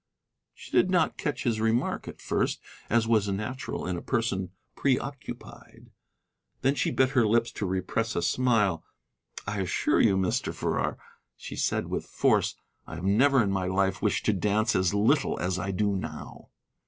She did not catch his remark at first, as was natural in a person preoccupied. Then she bit her lips to repress a smile. "I assure you, Mr. Farrar," she said with force, "I have never in my life wished to dance as little as I do now."